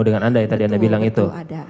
dengan anda yang tadi anda bilang itu